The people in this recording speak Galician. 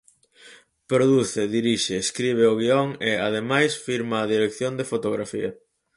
Produce, dirixe, escribe o guión e, ademais, firma a dirección de fotografía.